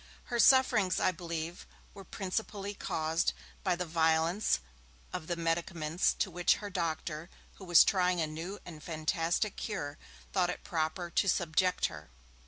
Her sufferings, I believe, were principally caused by the violence of the medicaments to which her doctor, who was trying a new and fantastic 'cure', thought it proper to subject her.